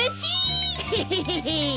エヘヘヘ。